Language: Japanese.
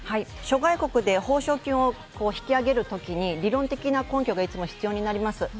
諸外国で報奨金を引き上げるときに、理論的な根拠がいつも必要になります。